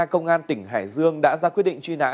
công an tỉnh hải dương đã ra quyết định truy nã